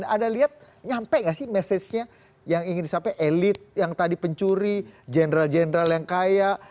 anda lihat nyampe nggak sih message nya yang ingin disampaikan elit yang tadi pencuri general general yang kaya